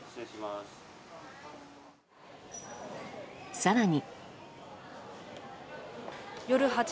更に。